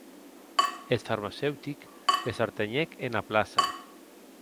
Eth farmaceutic les artenhèc ena plaça.